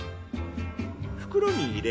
袋に入れ